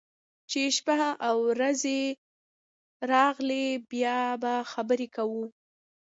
چې شپه او رځې راغلې، بیا به خبرې کوو.